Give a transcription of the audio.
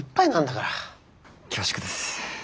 恐縮です。